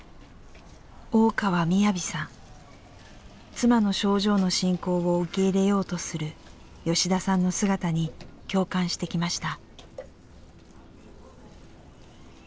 妻の症状の進行を受け入れようとする吉田さんの姿に共感してきました。